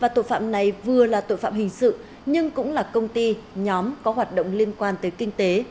tội phạm này vừa là tội phạm hình sự nhưng cũng là công ty nhóm có hoạt động liên quan tới kinh tế